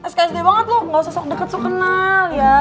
sksd banget lu gak usah sok deket lu kenal ya